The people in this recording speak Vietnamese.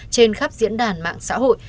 trên khắp diễn đàn mạng xã hội